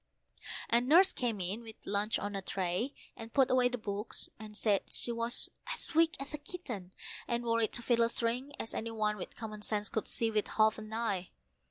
And Nurse came in with luncheon on a tray, and put away the books, and said she was as weak as a kitten, and worried to fiddlestrings, as any one with common sense could see with half an eye.